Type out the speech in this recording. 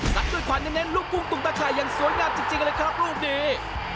สัดด้วยขวานเน้นลูกกุ้งตุ้งตะไข่ยังสวยงามจริงเลยครับรูปดี